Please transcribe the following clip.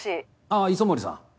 ああ磯森さん。